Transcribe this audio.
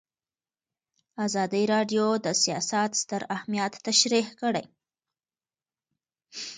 ازادي راډیو د سیاست ستر اهميت تشریح کړی.